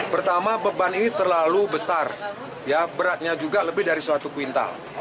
pertama beban ini terlalu besar beratnya juga lebih dari suatu kuintal